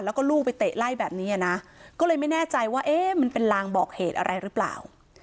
แล้วก็ลูกไปเตะไล่แบบนี้อ่ะนะก็เลยไม่แน่ใจว่าเอ๊ะมันเป็นลางบอกเหตุอะไรหรือเปล่า